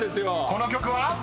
［この曲は？］